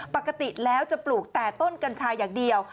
ปกติแล้วจะปลูกแต่ต้นกัญชาอย่างเดียว